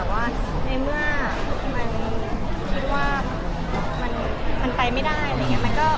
แต่ว่าในเมื่อมันคิดว่ามันไปไม่ได้อะไรอย่างนี้